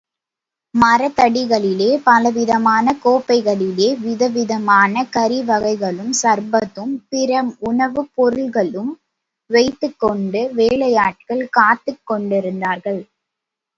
மரத்தடிகளிலே, பலவிதமான கோப்பைகளிலே விதவிதமான கறிவகைகளும், சர்பத்தும், பிற உணவுப் பொருள்களும் வைத்துக்கொண்டு வேலையாட்கள் காத்துக் கொண்டிருந்தார்கள்.